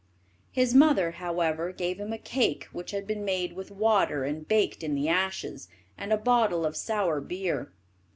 His mother, however, gave him a cake which had been made with water and baked in the ashes, and a bottle of sour beer.